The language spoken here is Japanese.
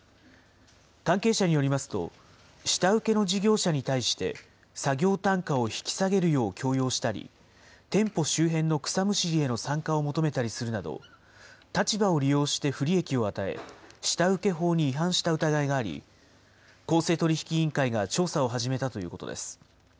関係者によりますと、下請けの事業者に対して、作業単価を引き下げるよう強要したり、店舗周辺の草むしりへの参加を求めたりするなど、立場を利用して不利益を与え、下請け法に違反した疑いがあり、公正取引委員会が調査を始めたということです。